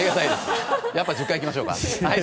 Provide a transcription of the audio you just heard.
やっぱり１０回行きましょうか。